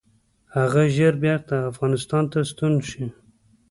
هغه ژر بیرته افغانستان ته ستون شي.